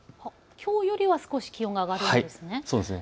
きょうよりは少し気温が上がりますね。